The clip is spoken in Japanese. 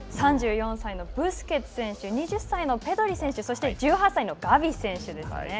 ３４歳のブスケツ選手、２０歳のペドリ選手そして、そして１８歳のガビ選手ですね。